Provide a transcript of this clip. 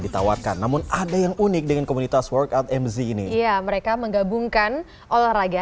ditawarkan namun ada yang unik dengan komunitas workout mz ini ya mereka menggabungkan olahraga